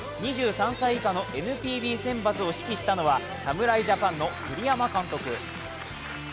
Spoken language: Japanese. ２３歳以下のＮＰＢ選抜を指揮したのは侍ジャパンの栗山監督。